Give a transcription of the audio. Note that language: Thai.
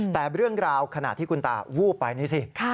แต่เรื่องราวขณะที่คุณตาวูบไปนี่สิ